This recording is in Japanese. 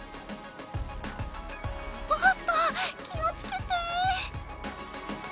おっと気を付けて！